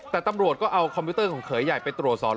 แต่ตำรวจก็เอาคอมพิวเตอร์ของเขยใหญ่ไปตรวจสอบ